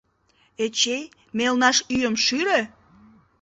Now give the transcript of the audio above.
— Эчей, мелнаш ӱйым шӱрӧ!